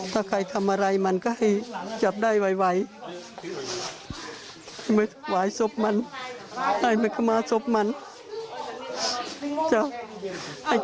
เต้าแบบนี้คืออะไรจริง